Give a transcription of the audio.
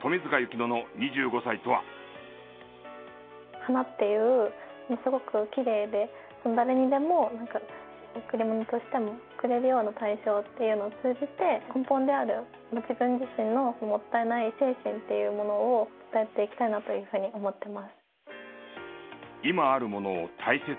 花っていうすごくきれいで誰にでも贈り物としても送れるような対象っていうのを通じて根本である自分自身のもったいない精神っていうものを伝えていきたいなというふうに思ってます。